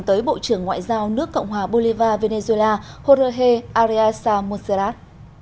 tới bộ trưởng ngoại giao nước cộng hòa bolivar venezuela jorge arias monserrat